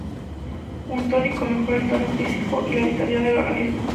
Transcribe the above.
Un tónico mejora el tono físico y la vitalidad del organismo.